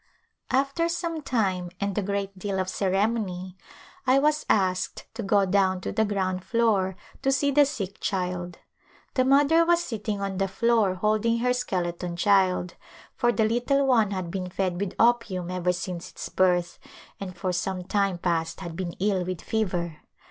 After some time and a great deal of ceremony I was asked to go down to the ground floor to see the sick child. The mother was sitting on the floor hold ing her skeleton child, for the little one had been fed with opium ever since its birth, and for some time past had been ill with fever.